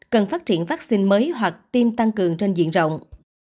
cần phát triển vaccine mới hoặc tiêm tăng cường trên diện rộng